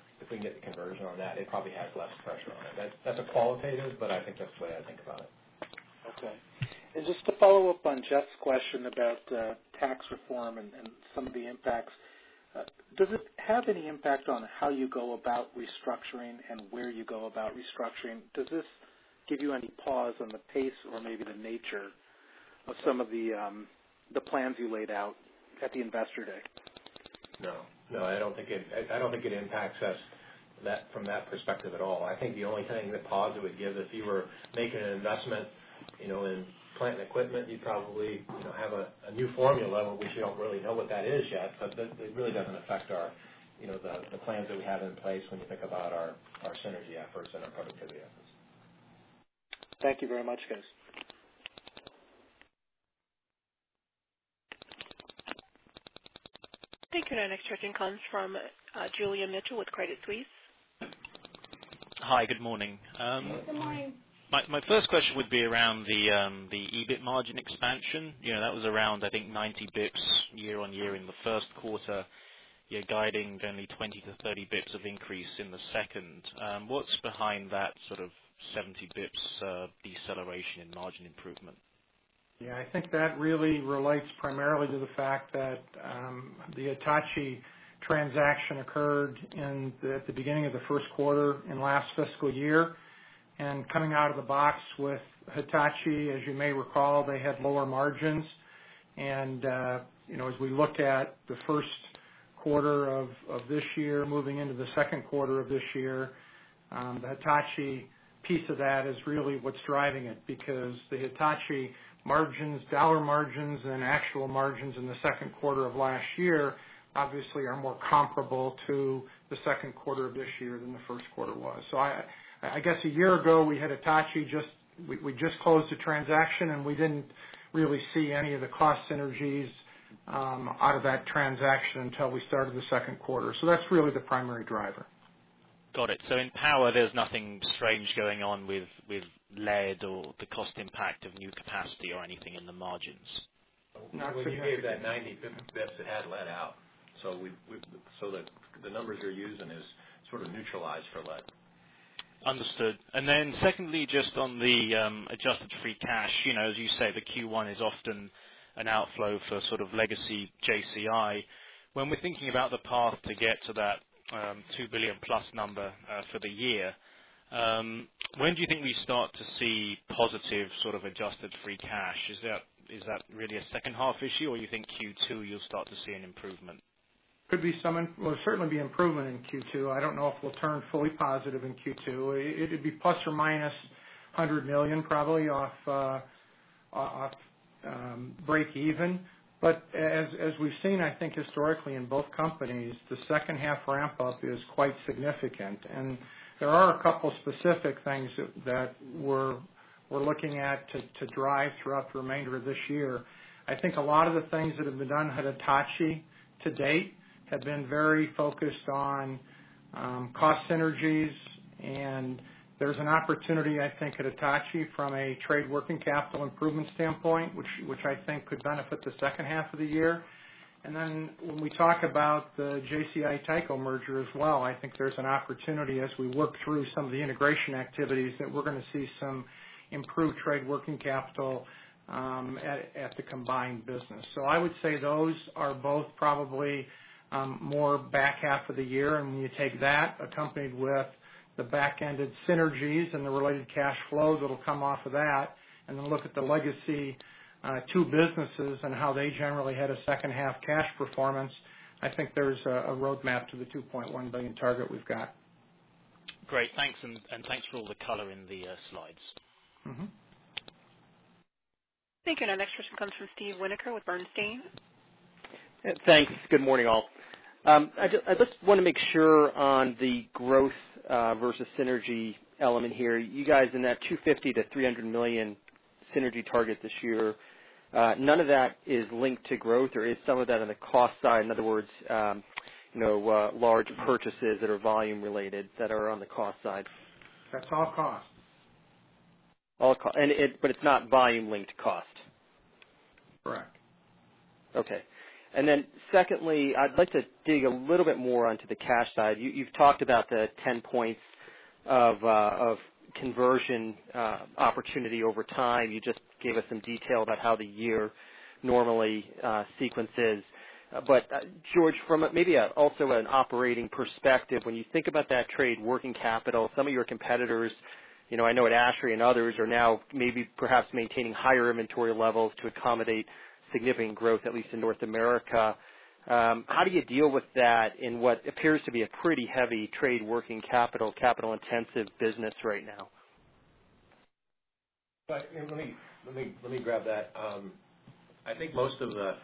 conversion on that, it probably has less pressure on it. That's a qualitative. I think that's the way I think about it. Okay. Just to follow up on Jeff's question about tax reform and some of the impacts. Does it have any impact on how you go about restructuring and where you go about restructuring? Does this give you any pause on the pace or maybe the nature of some of the plans you laid out at the investor day? No. I don't think it impacts us from that perspective at all. I think the only thing the pause it would give, if you were making an investment in plant and equipment, you'd probably have a new formula, which we don't really know what that is yet. It really doesn't affect the plans that we have in place when you think about our synergy efforts and our productivity efforts. Thank you very much, guys. Thank you. Our next question comes from Julian Mitchell with Credit Suisse. Hi. Good morning. Good morning. My first question would be around the EBIT margin expansion. That was around, I think, 90 basis points year-over-year in the first quarter. You're guiding only 20 to 30 basis points of increase in the second. What's behind that sort of 70 basis points deceleration in margin improvement? Yeah, I think that really relates primarily to the fact that the Hitachi transaction occurred at the beginning of the first quarter in last fiscal year. Coming out of the box with Hitachi, as you may recall, they had lower margins. As we look at the first quarter of this year, moving into the second quarter of this year, the Hitachi piece of that is really what's driving it, because the Hitachi margins, dollar margins and actual margins in the second quarter of last year obviously are more comparable to the second quarter of this year than the first quarter was. I guess a year ago, we had Hitachi, we just closed a transaction, and we didn't really see any of the cost synergies out of that transaction until we started the second quarter. That's really the primary driver. Got it. In Power, there's nothing strange going on with lead or the cost impact of new capacity or anything in the margins. Not for that. When you gave that 90 basis points, it had lead out. The numbers you're using is sort of neutralized for lead. Secondly, just on the adjusted free cash. As you say, the Q1 is often an outflow for sort of legacy JCI. When we're thinking about the path to get to that $2 billion plus number for the year, when do you think we start to see positive sort of adjusted free cash? Is that really a second half issue or you think Q2 you'll start to see an improvement? There will certainly be improvement in Q2. I don't know if we'll turn fully positive in Q2. It'd be plus or minus $100 million probably off breakeven. As we've seen, I think historically in both companies, the second half ramp-up is quite significant. There are a couple specific things that we're looking at to drive throughout the remainder of this year. I think a lot of the things that have been done at Hitachi to date have been very focused on cost synergies, and there's an opportunity, I think, at Hitachi from a trade working capital improvement standpoint, which I think could benefit the second half of the year. When we talk about the JCI Tyco merger as well, I think there's an opportunity as we work through some of the integration activities that we're going to see some improved trade working capital at the combined business. I would say those are both probably more back half of the year. When you take that accompanied with the back-ended synergies and the related cash flows that'll come off of that, then look at the legacy two businesses and how they generally had a second half cash performance, I think there's a roadmap to the $2.1 billion target we've got. Great. Thanks, thanks for all the color in the slides. Thank you. Next question comes from Steve Volkmann with Bernstein. Thanks. Good morning, all. I just want to make sure on the growth versus synergy element here. You guys in that $250 million-$300 million synergy target this year, none of that is linked to growth, or is some of that on the cost side? In other words, large purchases that are volume related that are on the cost side. That's all cost. It's not volume-linked cost. Correct. Secondly, I’d like to dig a little bit more onto the cash side. You’ve talked about the 10 points of conversion opportunity over time. You just gave us some detail about how the year normally sequences. George, from maybe also an operating perspective, when you think about that trade working capital, some of your competitors, I know at ASHRAE and others, are now maybe perhaps maintaining higher inventory levels to accommodate significant growth, at least in North America. How do you deal with that in what appears to be a pretty heavy trade working capital-intensive business right now? Let me grab that. I think most of the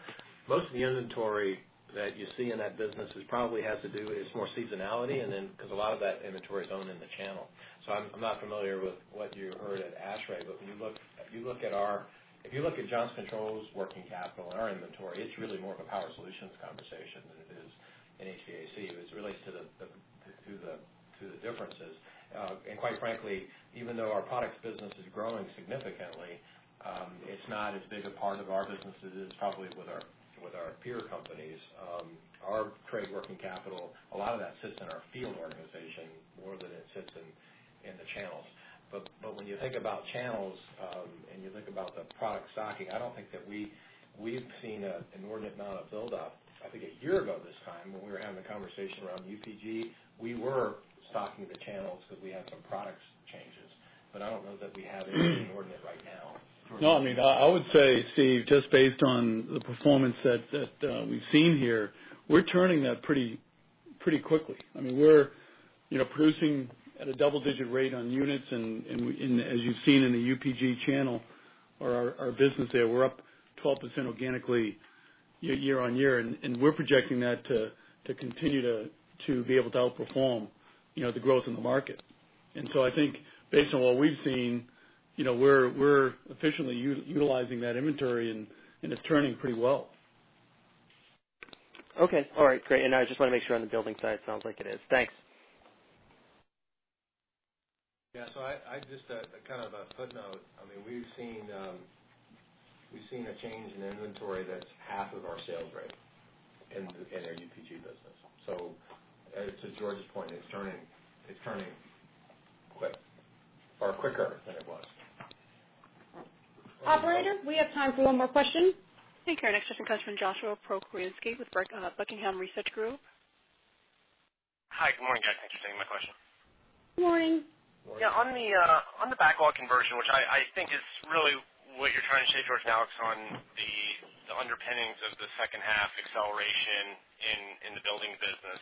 inventory that you see in that business probably has to do is more seasonality, and then because a lot of that inventory is owned in the channel. I’m not familiar with what you heard at ASHRAE, but if you look at Johnson Controls working capital and our inventory, it’s really more of a Power Solutions conversation than it is an HVAC, which relates to the differences. Quite frankly, even though our products business is growing significantly, it’s not as big a part of our business as it is probably with our peer companies. Our trade working capital, a lot of that sits in our field organization more than it sits in the channels. When you think about channels, and you think about the product stocking, I don’t think that we’ve seen an inordinate amount of buildup. I think a year ago this time, when we were having the conversation around UPG, we were stocking the channels because we had some product changes. I don’t know that we have anything inordinate right now. I would say, Steve, just based on the performance that we’ve seen here, we’re turning that pretty quickly. We’re producing at a double-digit rate on units, and as you’ve seen in the UPG channel or our business there, we’re up 12% organically year-on-year, and we’re projecting that to continue to be able to outperform the growth in the market. I think based on what we’ve seen, we’re efficiently utilizing that inventory, and it’s turning pretty well. Okay. All right. Great. I just want to make sure on the building side, sounds like it is. Thanks. Just a kind of a footnote. We've seen a change in inventory that's half of our sales rate in our UPG business. To George's point, it's turning quick or quicker than it was. Operator, we have time for one more question. Okay. Our next question comes from Josh Pokrzywinski with Buckingham Research Group. Hi. Good morning, guys. Thanks for taking my question. Good morning. Morning. Yeah. On the backlog conversion, which I think is really what you're trying to say, George, now it's on the underpinnings of the second half acceleration in the buildings business.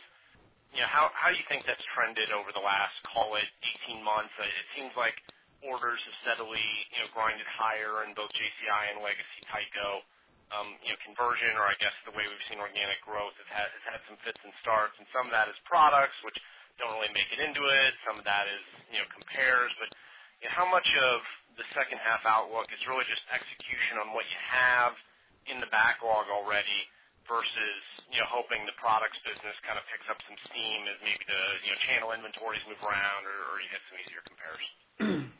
How do you think that's trended over the last, call it 18 months? It seems like orders have steadily grinded higher in both JCI and Legacy Tyco. Conversion or I guess the way we've seen organic growth, it had some fits and starts, and some of that is products which don't really make it into it. Some of that compares. How much of the second half outlook is really just execution on what you have in the backlog already versus hoping the products business kind of picks up some steam as maybe the channel inventories move around or you get some easier comparison?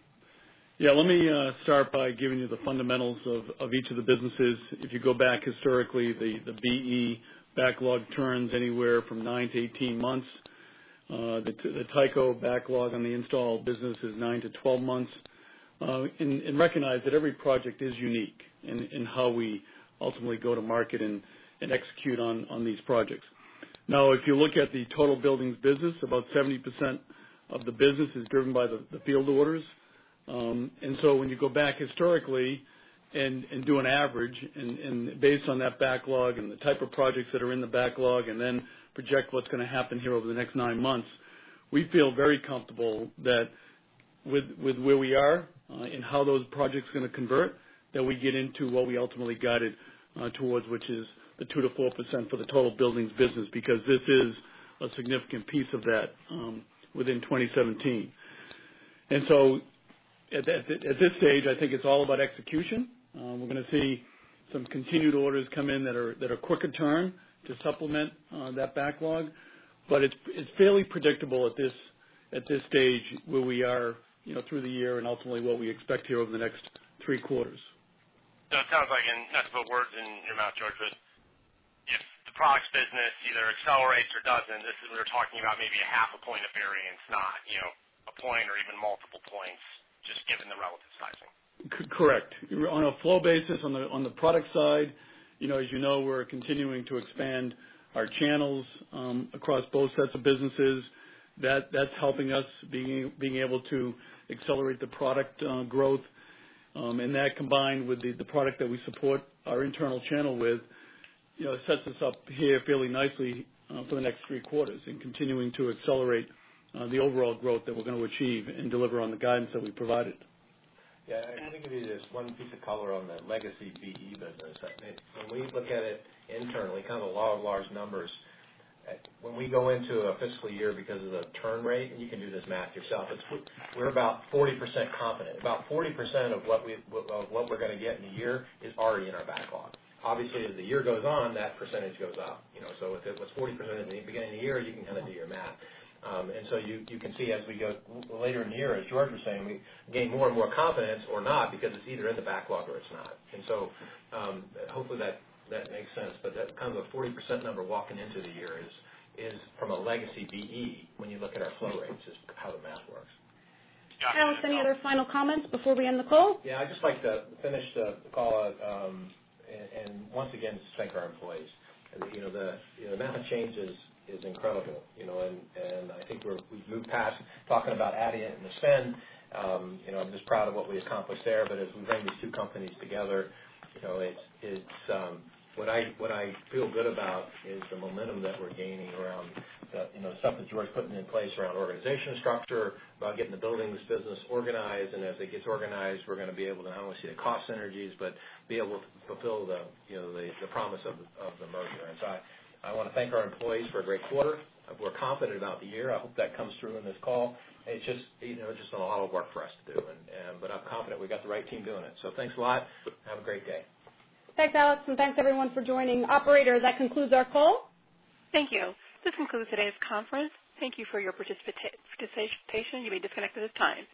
Yeah, let me start by giving you the fundamentals of each of the businesses. If you go back historically, the BE backlog turns anywhere from 9-18 months. The Tyco backlog on the installed business is 9-12 months. Recognize that every project is unique in how we ultimately go to market and execute on these projects. Now, if you look at the total buildings business, about 70% of the business is driven by the field orders. When you go back historically and do an average, and based on that backlog and the type of projects that are in the backlog, and then project what's going to happen here over the next nine months, we feel very comfortable that with where we are and how those projects are going to convert, that we get into what we ultimately guided towards, which is the 2%-4% for the total buildings business, because this is a significant piece of that within 2017. At this stage, I think it's all about execution. We're going to see some continued orders come in that are quicker turn to supplement that backlog, but it's fairly predictable at this stage, where we are through the year and ultimately what we expect here over the next three quarters. It sounds like, and not to put words in your mouth, George, but if the products business either accelerates or doesn't, we're talking about maybe a half a point of variance, not a point or even multiple points, just given the relative sizing. Correct. On a flow basis, on the product side, as you know, we're continuing to expand our channels across both sets of businesses. That's helping us being able to accelerate the product growth. That, combined with the product that we support our internal channel with, sets us up here fairly nicely for the next three quarters and continuing to accelerate the overall growth that we're going to achieve and deliver on the guidance that we provided. I think maybe there's one piece of color on the legacy BE business. When we look at it internally, kind of a lot of large numbers. When we go into a fiscal year because of the turn rate, and you can do this math yourself, we're about 40% confident. About 40% of what we're going to get in a year is already in our backlog. Obviously, as the year goes on, that percentage goes up. If it was 40% in the beginning of the year, you can kind of do your math. You can see as we go later in the year, as George was saying, we gain more and more confidence or not because it's either in the backlog or it's not. Hopefully that makes sense, but that kind of a 40% number walking into the year is from a legacy BE when you look at our flow rates, is how the math works. Gotcha. Alex, any other final comments before we end the call? Yeah, I'd just like to finish the call out. Once again, to thank our employees. The amount of change is incredible, and I think we've moved past talking about adding it in the spend. I'm just proud of what we accomplished there. As we bring these two companies together, what I feel good about is the momentum that we're gaining around the stuff that George put in place around organization structure, about getting the buildings business organized. As it gets organized, we're going to be able to not only see the cost synergies but be able to fulfill the promise of the merger. So I want to thank our employees for a great quarter. We're confident about the year. I hope that comes through in this call. It's just a lot of work for us to do, but I'm confident we got the right team doing it. Thanks a lot. Have a great day. Thanks, Alex, and thanks everyone for joining. Operator, that concludes our call. Thank you. This concludes today's conference. Thank you for your participation. You may disconnect at this time.